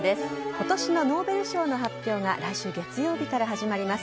今年のノーベル賞の発表が来週月曜日から始まります。